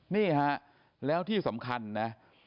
นี่ฮะแล้วที่สำคัญนะ